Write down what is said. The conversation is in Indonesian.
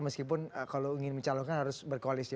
meskipun kalau ingin mencalonkan harus berkoalisi